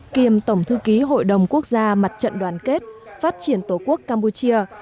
kiêm tổng thư ký hội đồng quốc gia mặt trận đoàn kết phát triển tổ quốc campuchia